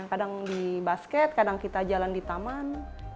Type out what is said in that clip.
kadang di basket kadang kita jalan di taman